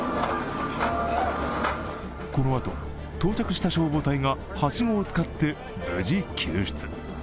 このあと到着した消防隊がはしごを使って、無事救出。